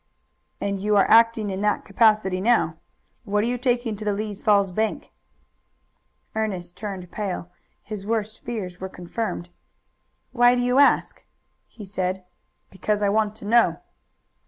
"And you are acting in that capacity now. What are you taking to the Lee's Falls bank?" Ernest turned pale. His worst fears were confirmed. "Why do you ask?" he said. "Because I want to know."